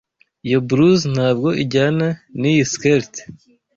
Iyo blouse ntabwo ijyana niyi skirt.